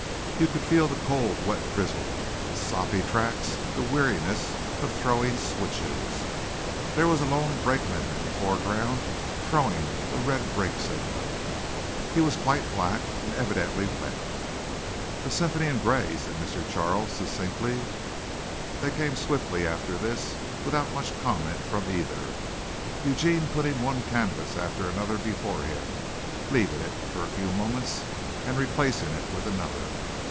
You could feel the cold, wet drizzle, the soppy tracks, the weariness of "throwing switches." There was a lone brakeman in the foreground, "throwing" a red brake signal. He was quite black and evidently wet. "A symphony in grey," said M. Charles succinctly. They came swiftly after this, without much comment from either, Eugene putting one canvas after another before him, leaving it for a few moments and replacing it with another.